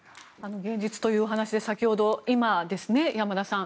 現実というお話で先ほど、山田さん